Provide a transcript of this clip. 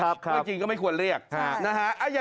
เมื่อกรีกจริงก็ไม่ควรเรียกนะฮะ